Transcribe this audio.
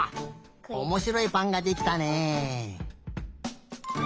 おもしろいぱんができたね。